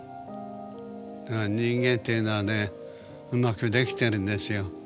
人間っていうのはねうまくできてるんですよ。